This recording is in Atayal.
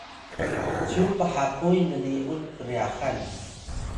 cyu phapuy nni’un kryaxan